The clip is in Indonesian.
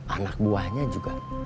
anak buahnya juga